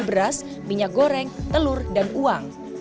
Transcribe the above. beras minyak goreng telur dan uang